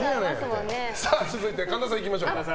続いて、神田さん行きましょうか。